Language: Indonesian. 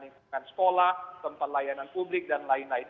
lingkungan sekolah tempat layanan publik dan lain lain